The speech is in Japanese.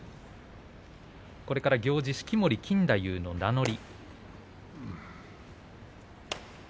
これから行司式守錦太夫の名乗り。